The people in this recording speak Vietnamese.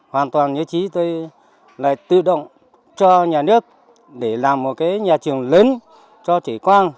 hoàn toàn như trí tôi lại tự động cho nhà nước để làm một cái nhà trường lớn cho trẻ con